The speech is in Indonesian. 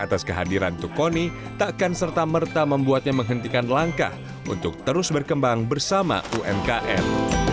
atas kehadiran tukoni tak akan serta merta membuatnya menghentikan langkah untuk terus berkembang bersama umkm